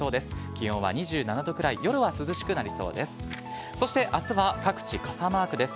気温は２７度くらい、夜は涼しくなりそうです。